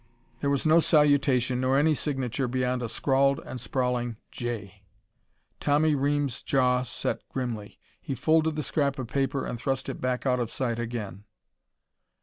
There was no salutation nor any signature beyond a scrawled and sprawling "J." Tommy Reames' jaw set grimly. He folded the scrap of paper and thrust it back out of sight again.